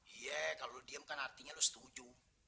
iya kalau lo diem kan artinya lo setuju